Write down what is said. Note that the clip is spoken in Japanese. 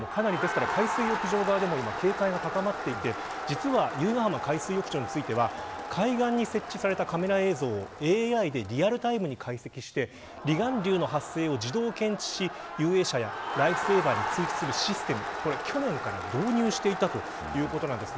海水浴場側でも今、警戒が高まっていて実は由比ガ浜海水浴場に関してはカメラ映像をＡＩでリアルタイムに解析して離岸流の発生を自動検知し遊泳者やライフセーバーに通知するシステムをこれを去年から導入していたということです。